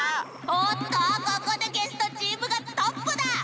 おっとここでゲストチームがトップだ！